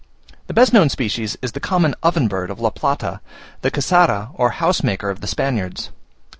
The best known species is the common oven bird of La Plata, the Casara or housemaker of the Spaniards.